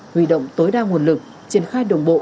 huy động tối đa nguồn lực triển khai đồng bộ